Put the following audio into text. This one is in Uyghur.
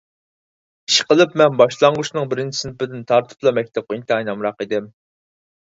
ئىشقىلىپ، مەن باشلانغۇچنىڭ بىرىنچى سىنىپىدىن تارتىپلا مەكتەپكە ئىنتايىن ئامراق ئىدىم.